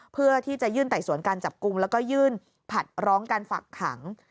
เพื่อที่จะยื่นไต่สวนการจับกลุ่มแล้วก็ยื่นผัดร้องการฝักขัง